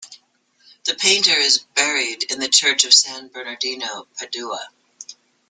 The painter is buried in the church of San Bernardino, Padua.